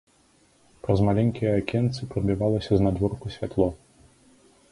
Праз маленькія акенцы прабівалася знадворку святло.